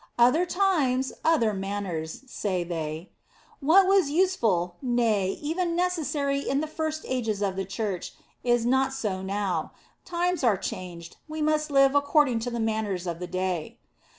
" Other times, other manners," say they. "What was useful, nay, even necessary in the first ages of the Church, is not so now. Times are changed; we must live according to the manners of the day."